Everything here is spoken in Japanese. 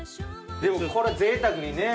でもこれぜいたくにね。